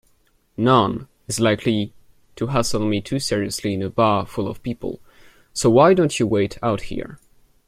Noone is likely to hassle me too seriously in a bar full of people, so why don't you wait out here?